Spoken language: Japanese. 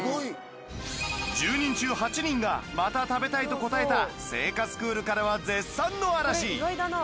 １０人中８人が「また食べたい」と答えた製菓スクールからは絶賛の嵐